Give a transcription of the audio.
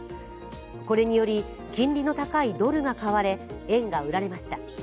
これにより、金利の高いドルが買われ円が売られました。